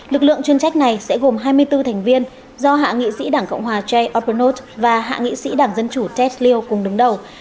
lực lượng chuyên trách này sẽ gồm hai mươi bốn thành viên do hạ nghị sĩ đảng cộng hòa jay opronaut và hạ nghị sĩ đảng dân chủ ted lieu cùng đứng đầu